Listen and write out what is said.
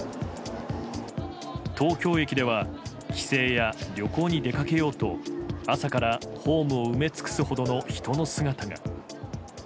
東京駅では帰省や旅行に出かけようと朝から、ホームを埋め尽くすほどの人の姿が。